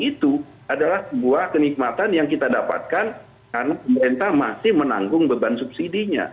itu adalah sebuah kenikmatan yang kita dapatkan karena pemerintah masih menanggung beban subsidinya